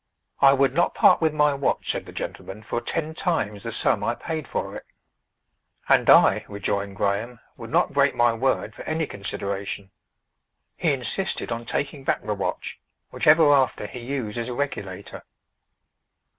"I would not part with my watch," said the gentleman, "for ten times the sum I paid for it." "And I," rejoined Graham, "would not break my word for any consideration." He insisted on taking back the watch, which ever after he used as a regulator.